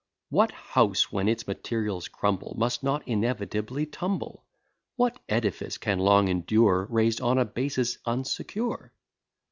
What house, when its materials crumble, Must not inevitably tumble? What edifice can long endure Raised on a basis unsecure?